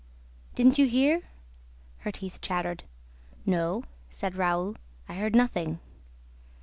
"Didn't you hear?" Her teeth chattered. "No," said Raoul, "I heard nothing."